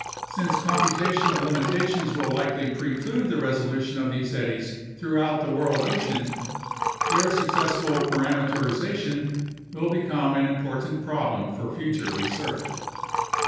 Since computational limitations will likely preclude the resolution of these eddies throughout the world ocean, their successful parameterization will become an important problem for future research.